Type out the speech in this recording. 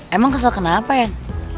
emang kesel kenapa yan